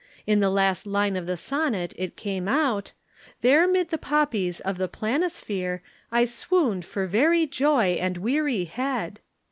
In the last line of the sonnet it came out: "'There mid the poppies of the planisphere, I swooned for very joy and wearihead.'